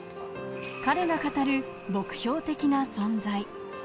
彼が語る目標的な存在。